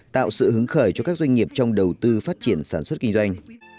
tạo sự hứng khởi cho các doanh nghiệp trong đầu tư phát triển sản xuất kinh doanh